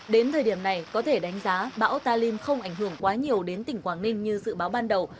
đến thời điểm này có thể đánh giá bão talim không ảnh hưởng quá nhiều đến tỉnh quảng ninh như dự báo ban đầu